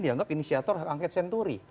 dianggap inisiator angket senturi